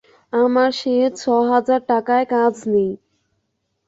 আমার সে ছ-হাজার টাকায় কাজ নেই।